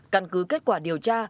căn cứ kết quả điều tra